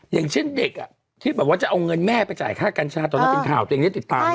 อย่างเช่นเด็กที่แบบว่าจะเอาเงินแม่ไปจ่ายค่ากัญชาตอนนั้นเป็นข่าวตัวเองได้ติดตามนะ